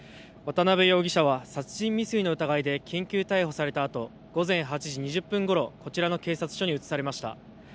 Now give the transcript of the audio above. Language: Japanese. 渡邊容疑者は殺人未遂の疑いで緊急逮捕されたあと午前８時２０分ごろ、こちらの警察署に移されました。